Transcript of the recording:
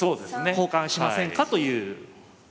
交換しませんかという。